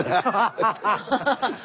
ハハハッ。